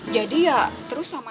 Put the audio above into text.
jadi ya terus sama